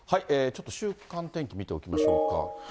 ちょっと週間天気見ておきましょうか。